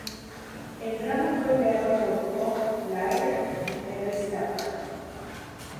El drama fue creado por Jock Blair y Terry Stapleton.